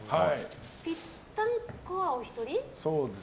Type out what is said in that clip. ぴったんこは、お一人？